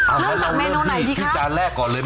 อ้าวเราลองเรียกที่จานแรกก่อนเลย